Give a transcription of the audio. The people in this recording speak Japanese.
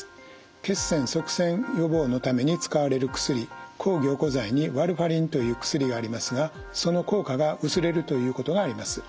血栓塞栓予防のために使われる薬抗凝固剤にワルファリンという薬がありますがその効果が薄れるということがあります。